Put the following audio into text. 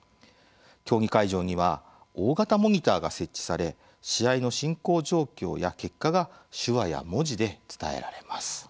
競技会場には大型モニターが設置され試合の進行状況や結果が手話や文字で伝えられます。